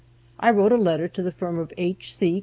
I wrote a letter to the firm of H. C.